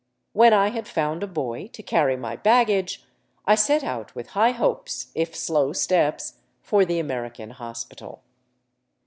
When I had found a boy to carry my baggage, I set out with high hopes, if slow steps, for the American hospital.